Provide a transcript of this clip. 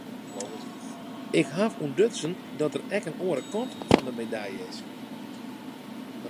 Ik haw ûntdutsen dat der ek in oare kant fan de medalje is.